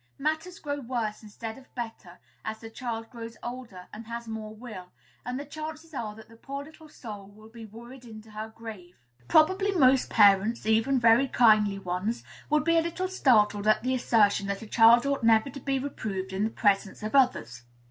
Matters grow worse, instead of better, as the child grows older and has more will; and the chances are that the poor little soul will be worried into her grave. Probably most parents, even very kindly ones, would be a little startled at the assertion that a child ought never to be reproved in the presence of others.